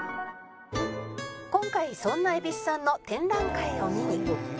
今回そんな蛭子さんの展覧会を見に